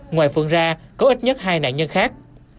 ngoài phương ra có ít nhất hai nạn nhân khác